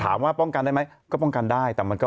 ถามว่าป้องกันได้ไหมก็ป้องกันได้